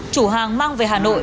chủ hàng mang về hà nội